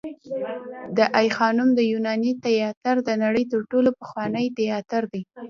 د آی خانم د یوناني تیاتر د نړۍ تر ټولو پخوانی تیاتر دی